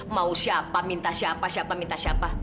mau siapa minta siapa siapa minta siapa